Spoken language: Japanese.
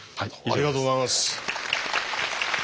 ありがとうございます。